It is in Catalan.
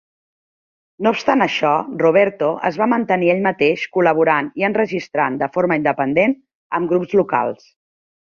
No obstant això, Roberto es va mantenir ell mateix col·laborant i enregistrant de forma independent amb grups locals.